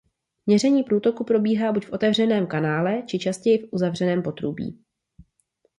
Měření průtoku probíhá buď v otevřeném kanále či častěji v uzavřeném potrubí.